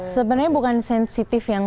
sebenarnya bukan sensitif yang